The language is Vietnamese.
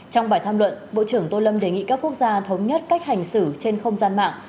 trong bài tham luận bộ trưởng tô lâm đề nghị các quốc gia thống nhất cách hành xử trên không gian mạng